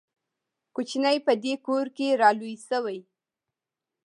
کوچنی په دې کور کې را لوی شوی.